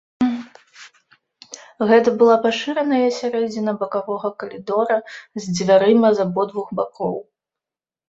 Гэта была пашыраная сярэдзіна бакавога калідора з дзвярыма з абодвух бакоў.